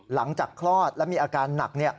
หลังจากคลอดและมีอาการหนัก